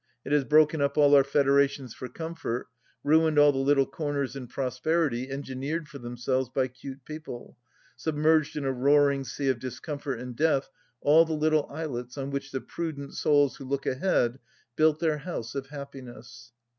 It has broken up all our federations for comfort, ruined all the little comers in prosperity engineered for themselves by cute people, submerged in a roaring sea of discomfort and death all the little islets on which the prudent souls who look ahead built their house of happiness.